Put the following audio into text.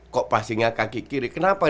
kok passingnya kaki kiri kenapa